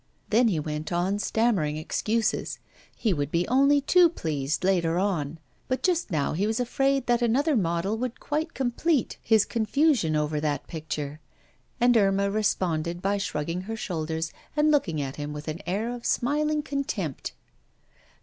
Then he went on stammering excuses. He would be only too pleased later on, but just now he was afraid that another model would quite complete his confusion over that picture; and Irma responded by shrugging her shoulders, and looking at him with an air of smiling contempt.